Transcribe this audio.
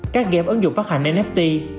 các game ứng dụng phát hành nft